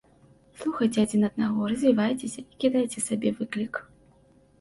Слухайце адзін аднаго, развівайцеся і кідайце сабе выклік.